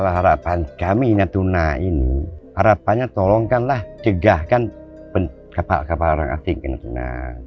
harapan kami natuna ini harapannya tolongkanlah cegahkan kapal kapal orang asing natuna